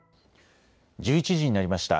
１１時になりました。